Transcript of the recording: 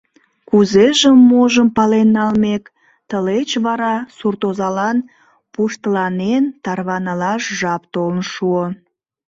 Кузежым-можым пален налмек, тылеч вара суртозалан пуштыланен тарванылаш жап толын шуо.